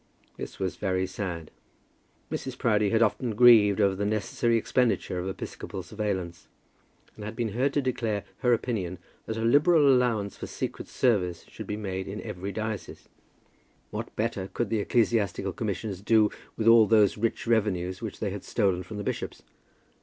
This was very sad. Mrs. Proudie had often grieved over the necessary expenditure of episcopal surveillance, and had been heard to declare her opinion that a liberal allowance for secret service should be made in every diocese. What better could the Ecclesiastical Commissioners do with all those rich revenues which they had stolen from the bishops?